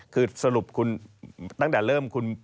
คือสรุปคุณตั้งแต่เริ่มคุณ